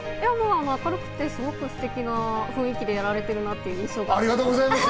明るくてすごくすてきな雰囲気でやられている印象があります。